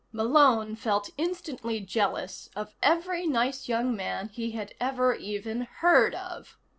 Malone felt instantly jealous of every nice young man he had ever even heard of.